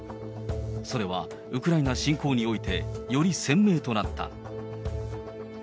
それはウクライナ侵攻において、より鮮明となった。